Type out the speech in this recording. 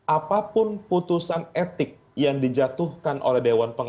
apapun putusan etik yang dijatuhkan oleh